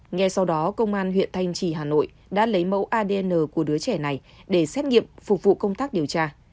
ngay sau đó công an huyện thanh trì hà nội đã lấy mẫu adn của đứa trẻ này để xét nghiệm phục vụ công tác điều tra